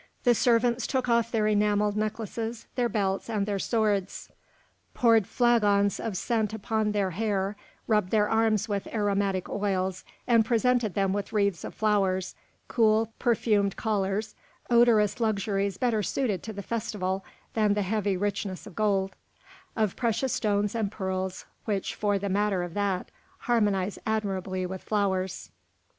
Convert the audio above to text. The servants took off their enamelled necklaces, their belts, and their swords, poured flagons of scent upon their hair, rubbed their arms with aromatic oils, and presented them with wreaths of flowers, cool, perfumed collars, odorous luxuries better suited to the festival than the heavy richness of gold, of precious stones and pearls, which, for the matter of that, harmonise admirably with flowers.